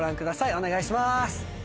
お願いします！